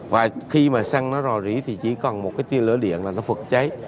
và khi mà săn nó rò rỉ thì chỉ còn một cái tiên lửa điện là nó phật cháy